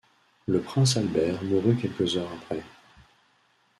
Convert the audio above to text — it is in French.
Le prince Albert mourut quelques heures après.